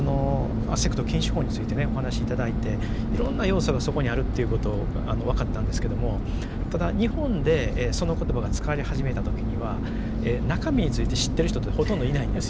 お話し頂いていろんな要素がそこにあるっていうことが分かったんですけどもただ日本でその言葉が使われ始めた時には中身について知っている人ってほとんどいないんですよ。